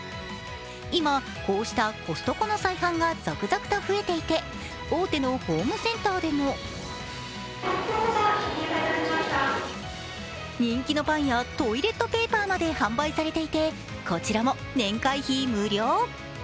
今、こうしたコストコの再販が続々と増えていて大手のホームセンターでも人気のパンやトイレットペーパーまで販売されていてこちらも年会費無料。